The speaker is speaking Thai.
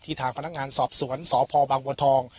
ที่ทางพนักงานสอบสวนสพบังวลทอง